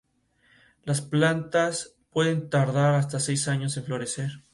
Hay diferentes tipos de gotas: De agua, fuego, rayos y estrellas.